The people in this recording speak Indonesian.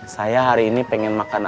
saya hari ini pengen makan